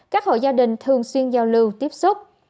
các hộ gia đình thường xuyên giao lưu tiếp xúc